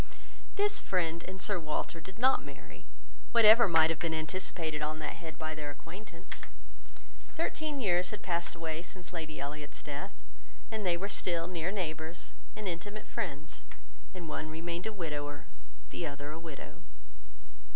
This friend, and Sir Walter, did not marry, whatever might have been anticipated on that head by their acquaintance. Thirteen years had passed away since Lady Elliot's death, and they were still near neighbours and intimate friends, and one remained a widower, the other a widow.